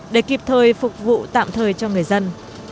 để kịp thời phục vụ tạm thời cho người dân